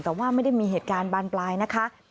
แต่ว่าไม่ได้มีเหตุการณ์บานปลายนะคะ